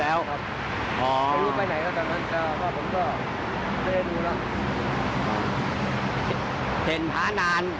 แล้วอยู่ไปไหนตอนนี้ไม่เห็นหลายวัน